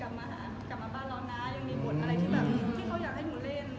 กลับมาหากลับมาบ้านเรานะยังมีบทอะไรที่แบบที่เขาอยากให้หนูเล่น